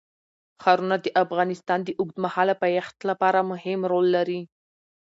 ښارونه د افغانستان د اوږدمهاله پایښت لپاره مهم رول لري.